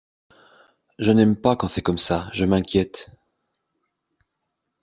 Je n'aime pas, quand c'est comme ça, je m'inquiète.